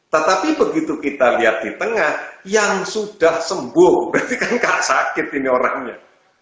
tetapi begitu kita lihat di tengah yang sudah sembuh berarti kan kak sakit ini orangnya